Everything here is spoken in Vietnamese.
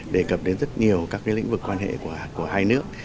đề cập đến rất nhiều các lĩnh vực quan hệ của hai nước